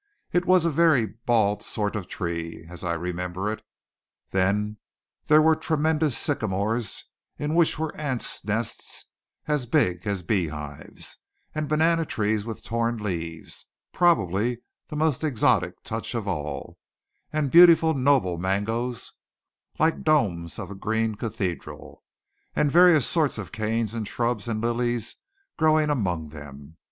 It was a very bald sort of tree, as I remember it. Then there were tremendous sycamores in which were ants' nests as big as beehives; and banana trees with torn leaves, probably the most exotic touch of all; and beautiful noble mangoes like domes of a green cathedral; and various sorts of canes and shrubs and lilies growing among them.